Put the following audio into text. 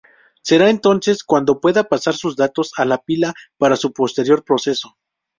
Será entonces cuando puede pasar sus datos a la pila para su posterior proceso.